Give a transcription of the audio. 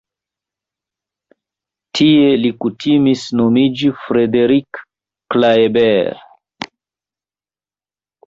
Tie li kutimis nomiĝi Frederick Klaeber.